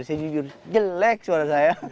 saya jujur jelek suara saya